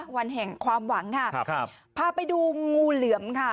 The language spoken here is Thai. วันแห่งความหวังค่ะครับพาไปดูงูเหลือมค่ะ